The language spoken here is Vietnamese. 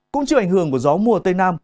cũng chịu ảnh hưởng của gió mùa tây nam